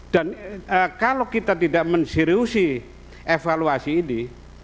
dan kalau kita tidak menseriusi evaluasi ini